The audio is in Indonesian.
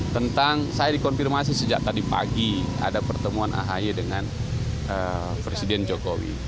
tentang saya dikonfirmasi sejak tadi pagi ada pertemuan ahy dengan presiden jokowi